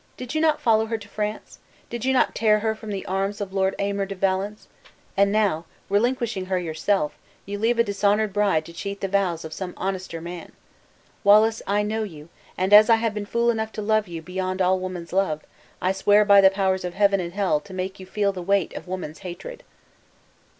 Did you not follow her to France? Did you not tear her from the arms of Lord Aymer de Valence? and now, relinquishing her yourself, you leave a dishonored bride to cheat the vows of some honester man! Wallace, I know you, and as I have been fool enough to love you beyond all woman's love, I swear by the powers of heaven and hell to make you feel the weight of woman's hatred!"